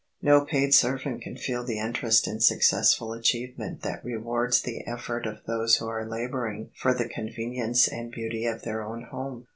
No paid servant can feel the interest in successful achievement that rewards the effort of those who are laboring for the convenience and beauty of their own home.